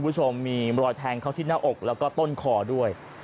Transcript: คุณผู้ชมมีรอยแทงเข้าที่หน้าอกแล้วก็ต้นคอด้วย